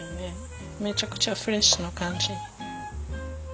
めちゃくちゃフレッシュな感じ。